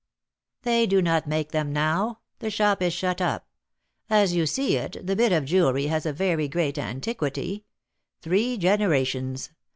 "They do not make them now; the shop is shut up. As you see it, that bit of jewelry has a very great antiquity, three generations.